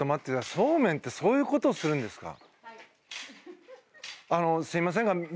そうめんってそういうことをするんですか。